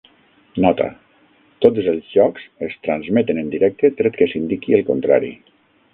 Nota: tots els jocs es transmeten en directe tret que s'indiqui el contrari.